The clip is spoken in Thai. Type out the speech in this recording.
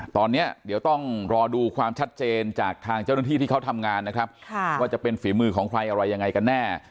ตอนนี้เดี๋ยวต้องรอดูความชัดเจนจากทางเจ้าหน้าที่ที่เขาทำงานนะครับว่าจะเป็นฝีมือของใครอะไรยังไงกันแน่